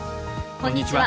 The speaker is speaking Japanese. こんにちは。